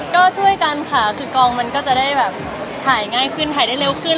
ก็ช่วยกันค่ะคือกองมันก็จะได้แบบถ่ายง่ายขึ้นถ่ายได้เร็วขึ้น